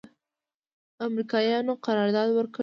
امریکایانو قرارداد ورکړی و.